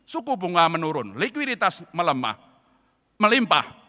suku bunga menurun likuiditas melemah melimpah